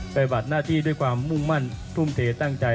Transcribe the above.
จัดปรัฐหน้าที่ด้วยความมุ่งมั่นทุ่มเตธ่างใจ